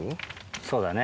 そうだね。